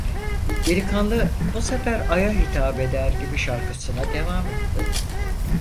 Delikanlı, bu sefer aya hitap eder gibi, şarkısına devam etti.